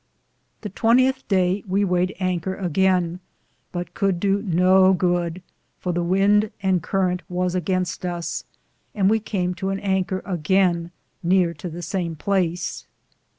The xxth Daye we wayed Anker againe, but could do no goode, for the wynde and currante was againste us, and we came to an anker againe neare to the same place.